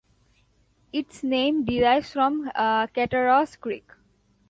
Its name derives from Cattaraugus Creek.